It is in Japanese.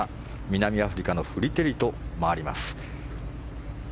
南アフリカのフリテリと回ります。